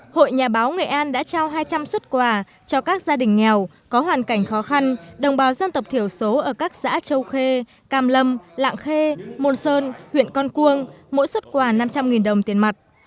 hội nhà báo nghệ an đã trao hai trăm linh xuất quà cho các gia đình nghèo có hoàn cảnh khó khăn đồng bào dân tộc thiểu số ở các xã châu khê cam lâm lạng khê môn sơn huyện con cuông mỗi xuất quà năm trăm linh đồng tiền mặt